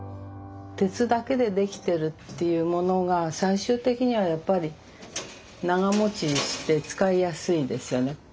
鉄だけで出来てるっていうものが最終的にはやっぱり長持ちして使いやすいですよね。